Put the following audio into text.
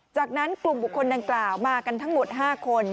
จากนั้นกลุ่มบุคคลดังกล่าวมากันทั้งหมด๕คน